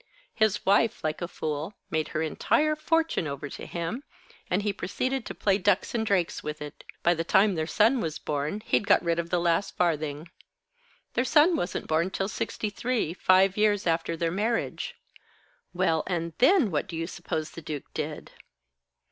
His wife, like a fool, made her entire fortune over to him, and he proceeded to play ducks and drakes with it. By the time their son was born he'd got rid of the last farthing. Their son wasn't born till '63, five years after their marriage. Well, and then, what do you suppose the Duke did?"